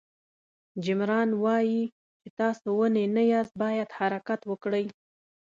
جیم ران وایي چې تاسو ونې نه یاست باید حرکت وکړئ.